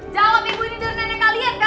jawab ibu nih dari nenek kalian kan